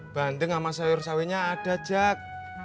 bandeng sama sayur sayurnya ada jack